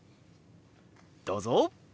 どうぞ！